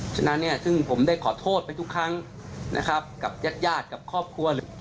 ฉะนั้นเนี่ยซึ่งผมได้ขอโทษไปทุกครั้งนะครับยัดกับครอบครัว